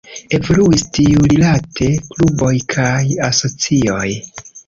Evoluis tiurilate kluboj kaj asocioj.